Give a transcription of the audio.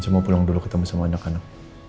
semua pulang dulu ketemu sama anak anak